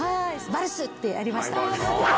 バルスってありました。